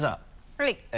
はい。